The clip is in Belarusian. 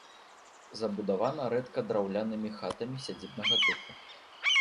Забудавана рэдка драўлянымі хатамі сядзібнага тыпу.